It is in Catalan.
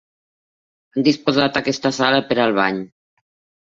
Han disposat aquesta sala per al ball.